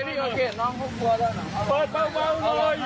เนี่ยบ้านผมอยู่เนี่ย